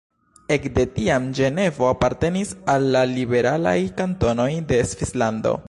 Ek de tiam Ĝenevo apartenis al la liberalaj kantonoj de Svislando.